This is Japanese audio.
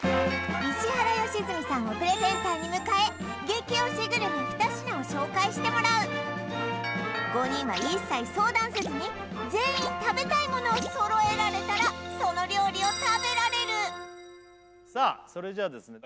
石原良純さんをプレゼンターに迎え激推しグルメ２品を紹介してもらう５人は一切相談せずに全員食べたいものを揃えられたらその料理を食べられるさあそれじゃあですね